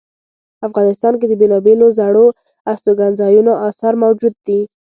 افغانستان کې د بیلابیلو زړو استوګنځایونو آثار موجود دي